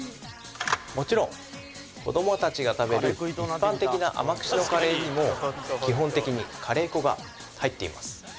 もちろん子どもたちが食べる一般的な甘口のカレーにも基本的にカレー粉が入っています